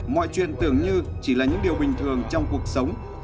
mọi chuyện tưởng như chỉ là những điều bình thường trong cuộc sống